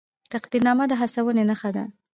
تقدیرنامه د هڅونې نښه ده